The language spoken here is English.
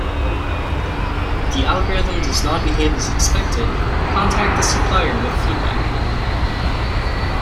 If the algorithm does not behave as expected, contact the supplier with feedback.